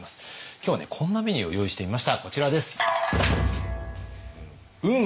今日はねこんなメニューを用意してみましたこちらです。